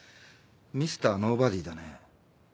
ミスターノーバディだね。